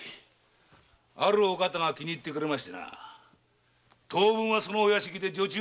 ⁉あるお方が気に入ってくれて当分はそのお屋敷で女中奉公でさ。